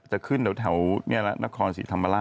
จะขึ้นตรงแถวนักฟรรณสีธรรมดา